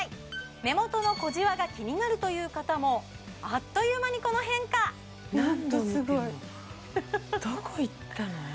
目元の小じわが気になるという方もあっという間にこの変化ホントすごいどこいったの？